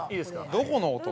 ◆どこの音？